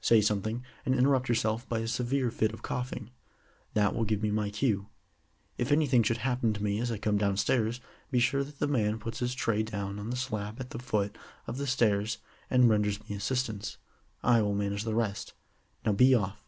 Say something, and interrupt yourself by a severe fit of coughing. That will give me my cue. If anything should happen to me as I come downstairs, be sure that the man puts his tray down on the slab at the foot of the stairs and renders me assistance. I will manage the rest. Now be off."